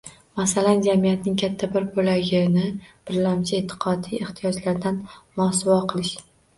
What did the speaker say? Masalan, jamiyatning katta bir bo‘lagini birlamchi e’tiqodiy ehtiyojlaridan mosuvo qilish